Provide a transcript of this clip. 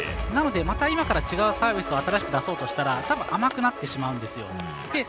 なので、また今から違うサービスを出そうとしたらたぶん甘くなってしまうんですよ。